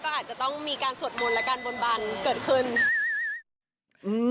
ก็อาจจะต้องมีการสวดมนต์และการบนบันเกิดขึ้นอืม